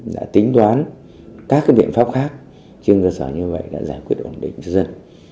đã tính toán các biện pháp khác trên cơ sở như vậy đã giải quyết ổn định cho dân